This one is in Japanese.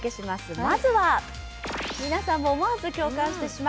まずは皆さんも思わず共感してしまう